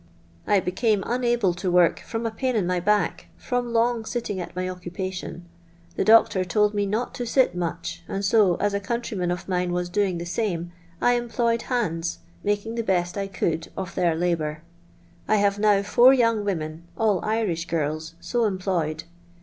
I became unable to work from a pain in my back, from long sitting at my occupation. The doctor told me not to sit much, and so, as a countryman of mine was doing the same, I em plojred bandB, making the best I could of their labour. I have now four young women (all Irish girls) so employed.